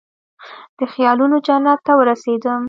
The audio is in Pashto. د خیالونوجنت ته ورسیدم